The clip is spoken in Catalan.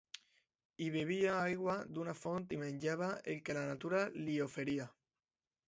Hi bevia aigua d'una font i menjava el que la natura li oferia.